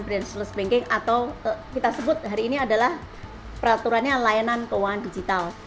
branchless banking atau kita sebut hari ini adalah peraturannya layanan keuangan digital